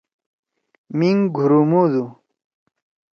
میِنگ گُھرومُودُو۔